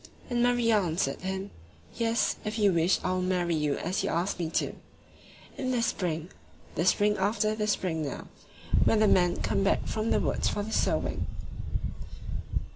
And Maria answered him: "Yes ... If you wish I will marry you as you asked me to ... In the spring the spring after this spring now when the men come back from the woods for the sowing."